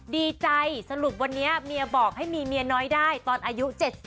ดีใจสรุปวันนี้เมียบอกให้มีเมียน้อยได้ตอนอายุ๗๐